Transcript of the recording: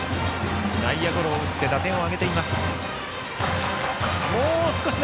内野ゴロを打って打点を挙げています。